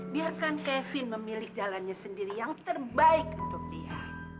biarkan kevin memilih jalannya sendiri yang terbaik untuk dia